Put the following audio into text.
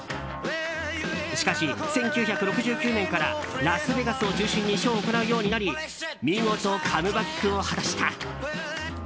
しかし、１９６９年からラスベガスを中心にショーを行うようになり見事、カムバックを果たした。